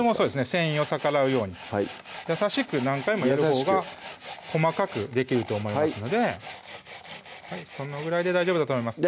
繊維を逆らうように優しく何回もやるほうが細かくできると思いますのでそのぐらいで大丈夫だと思います